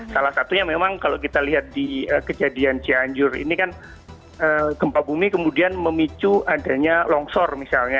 salah satunya memang kalau kita lihat di kejadian cianjur ini kan gempa bumi kemudian memicu adanya longsor misalnya